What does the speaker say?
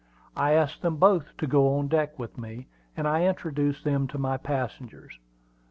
I asked them both to go on deck with me, and I introduced them to my passengers.